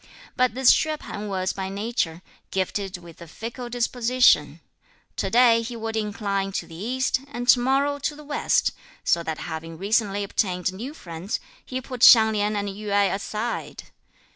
But this Hsüeh P'an was, by nature, gifted with a fickle disposition; to day, he would incline to the east, and to morrow to the west, so that having recently obtained new friends, he put Hsiang Lin and Yü Ai aside.